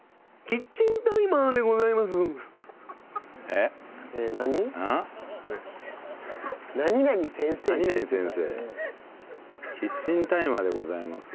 「キッチンタイマーでございます」。